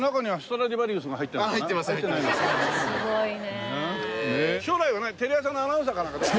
すごいね。